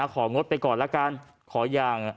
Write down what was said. ของดไปก่อนละกัน